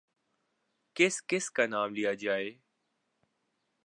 کس کس کا نام لیا جائے۔